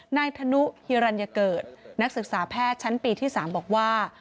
นายธนุฮิรัญเกิดนักศึกษาแพทย์ชั้นปีที่๓บอกว่า